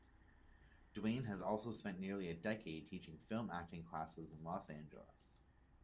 Duane has also spent nearly a decade teaching Film Acting classes in Los Angeles.